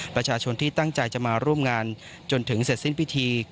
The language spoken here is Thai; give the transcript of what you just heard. ประชาชนที่ตั้งใจจะมาร่วมงานจนถึงเสร็จสิ้นพิธี